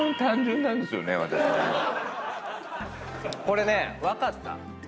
これね分かった。